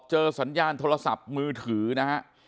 สัญญาณโทรศัพท์มือถือนะฮะ